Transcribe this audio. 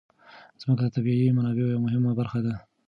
ځمکه د طبیعي منابعو یوه مهمه برخه ده.